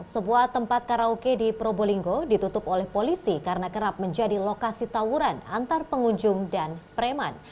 sebuah tempat karaoke di probolinggo ditutup oleh polisi karena kerap menjadi lokasi tawuran antar pengunjung dan preman